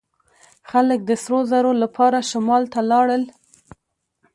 خلک د سرو زرو لپاره شمال ته لاړل.